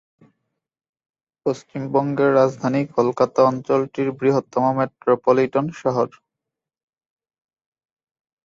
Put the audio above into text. পশ্চিমবঙ্গের রাজধানী কলকাতা অঞ্চলটির বৃহত্তম মেট্রোপলিটান শহর।